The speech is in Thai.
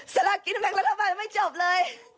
สลักกินแม่งแล้วทำไมไม่จบเลย